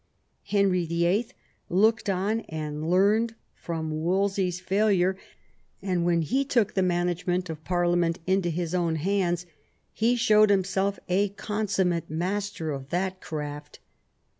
Henry VHI. looked on and learned /L from Wolsey^s failure, and when he took the manage T/ ment of Parliament into his own hands he showed him self a consummate master of that craft.